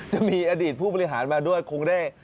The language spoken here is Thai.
จะมีอดีตผู้บริหารมาด้วยคงได้